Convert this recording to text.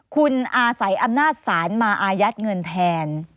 คุณอาศัยอำนาจศาลมาอายัดเงินแทน